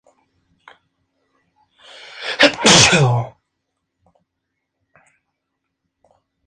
Sólo tenía rosas blancas en su jardín, entonces se puso a llorar.